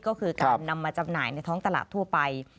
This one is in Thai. ก็คือการนำมาจำหน่ายในท้องตลาดทั่วไป